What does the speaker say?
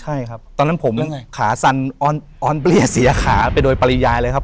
ใช่ครับตอนนั้นผมขาสั่นออนเปรี้ยเสียขาไปโดยปริยายเลยครับ